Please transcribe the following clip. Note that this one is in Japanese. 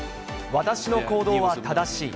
私の行動は正しい。